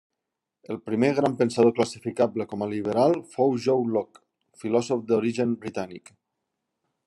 El primer gran pensador classificable com a liberal fou John Locke, filòsof d'origen britànic.